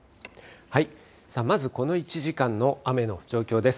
まずこの１時間の雨の状況です。